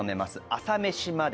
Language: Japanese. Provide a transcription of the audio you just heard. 『朝メシまで。』。